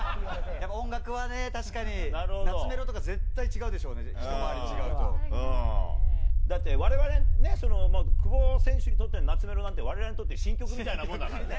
やっぱ音楽はね、やっぱり懐メロとか絶対違うでしょうね、だってわれわれね、久保選手にとってのナツメロなんて、われわれにとって新曲みたいなもんだからね。